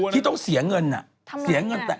ที่ต้องเสียเงิน